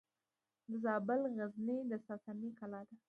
د زابل غزنیې د ساساني کلا ده